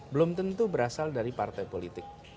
belum tentu berasal dari partai politik